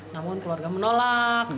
namun keluarga menolak